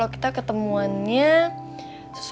aku gak mau